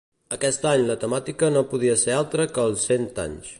Aquest any, la temàtica no podia ser altra que els cent anys.